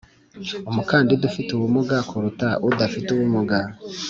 umukandida ufite ubumuga kuruta udafite ubumuga